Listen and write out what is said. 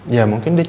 kami mesel dibnp